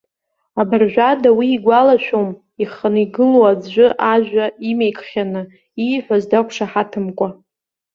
Абыржәы ада уи игәалашәом, иханы игылоу аӡәы ажәа имаикхьаны, ииҳәаз дақәшаҳаҭымкәа.